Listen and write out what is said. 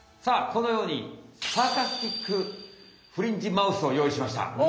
このようにサーカスティックフリンジマウスをよういしました。